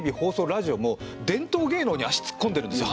ラジオも伝統芸能に足突っ込んでるんですよ